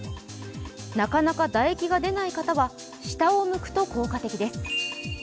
なかなか唾液が出ない方は下を向くと効果的です。